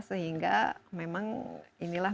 sehingga memang inilah